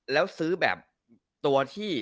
แล้วซื้อแบบตัวที่